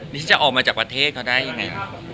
นี่จะออกมาจากประเทศเขาได้ยังไง